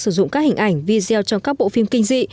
sử dụng các hình ảnh video trong các bộ phim kinh dị